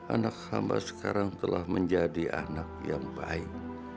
anak hama sekarang telah menjadi anak yang baik